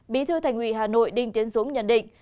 bí thư thành ủy hà nội đinh tiến dũng nhận định